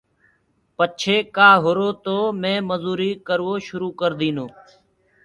پڇي ڪآ هُرو تو مي مجدٚري ڪروو شروٚ ڪر ديٚنو۔